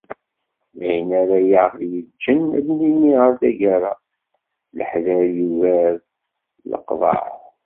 D ayen ara aɣ-yeǧǧen ad d-nini ɣer taggara "leḥder yugar leqḍeɛ."